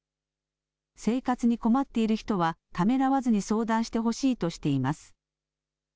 生活に困っている人はためらわずに相談してほしいとしています。